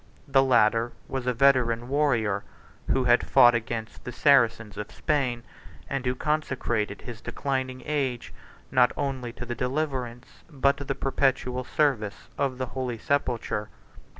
The latter was a veteran warrior, who had fought against the Saracens of Spain, and who consecrated his declining age, not only to the deliverance, but to the perpetual service, of the holy sepulchre.